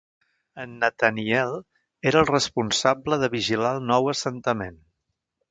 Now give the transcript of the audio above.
En Nathaniel era el responsable de vigilar el nou assentament.